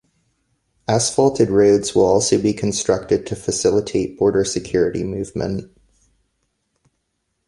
Asphalted roads will be also constructed to facilitate border security movement.